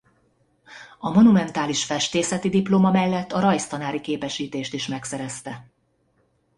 A monumentális festészeti diploma mellett a rajztanári képesítést is megszerezte.